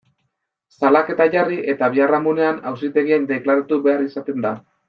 Salaketa jarri eta biharamunean, auzitegian deklaratu behar izaten da.